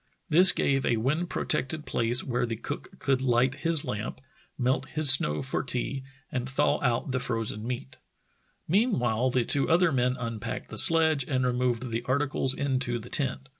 This gave a wind protected place where the cook could light his lamp, melt his snow for tea, and thaw out the frozen meat. Meanwhile the two other men unpacked the sledge and removed the articles into the tent.